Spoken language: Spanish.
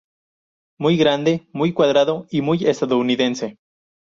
Muy grande, muy cuadrado y muy estadounidense.